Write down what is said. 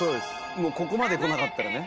もうここまで来なかったらね